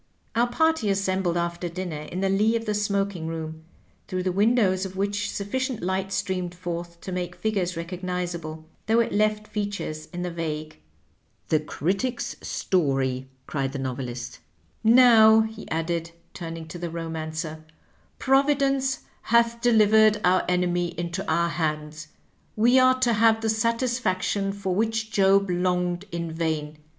Our party assembled after dinner in the lee of the smoking room, through the windows of which sufficient light streamed forth to make figures recognizable, though it left features in the vague. "The' Critic's story," cried the Novelist "Now," he added, Digitized by VjOOQIC THE ACTION TO TEE WORD. 131 taming to the Bomanoer, *^ Providence hath delivered our enemy into our hands. We are to have the satisfaction for which Job longed in vain.